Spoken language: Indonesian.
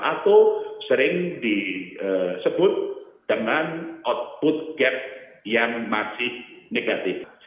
atau sering disebut dengan output gap yang masih negatif